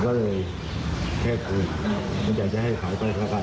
ผมก็เลยแค่คุณอยากจะให้ขาวไปกัน